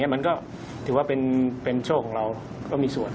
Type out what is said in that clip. มันก็ถือว่าเป็นโชคของเราก็มีส่วน